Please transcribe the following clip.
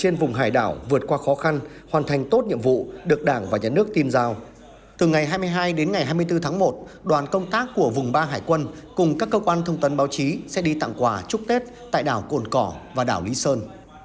ngay đến ngày hai mươi bốn tháng một đoàn công tác của vùng ba hải quân cùng các cơ quan thông tấn báo chí sẽ đi tặng quà chúc tết tại đảo cồn cỏ và đảo lý sơn